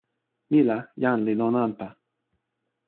mi la, jan li lon anpa.